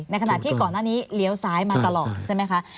ขณะที่ก่อนหน้านี้เลี้ยวซ้ายมาตลอดใช่ไหมคะ